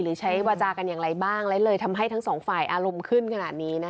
หรือใช้วัจการยังไงบ้างทำให้ทั้งสองฝ่ายอารมณ์ขึ้นขนาดนี้นะคะ